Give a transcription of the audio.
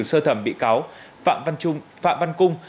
sơ thẩm bị cáo phạm văn cung